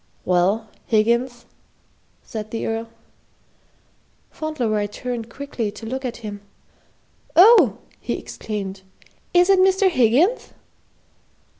"Well, Higgins," said the Earl. Fauntleroy turned quickly to look at him. "Oh!" he exclaimed, "is it Mr. Higgins?"